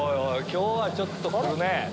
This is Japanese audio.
今日はちょっとくるね。